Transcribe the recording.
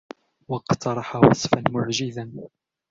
وَاقْتَرَحَ وَصْفًا مُعْجِزًا